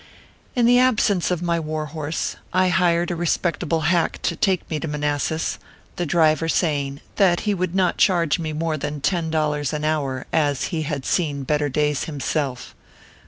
261 In the absence of my war horse I hired a respecta ble hack to take me to Manassas, the driver saying that he would not charge me more than ten dollars an hour, as he had seen better days himself.